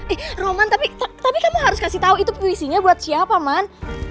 eh roman tapi kamu harus kasih tahu itu puisinya buat siapa man